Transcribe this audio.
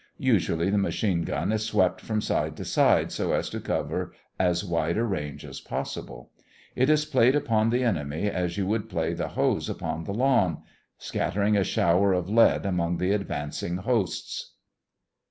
Usually the machine gun is swept from side to side so as to cover as wide a range as possible. It is played upon the enemy as you would play the hose upon the lawn, scattering a shower of lead among the advancing hosts.